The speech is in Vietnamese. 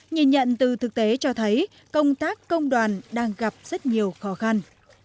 nhìn nhận từ thực tế cho thấy công tác công đoàn đang gặp rất nhiều khó khăn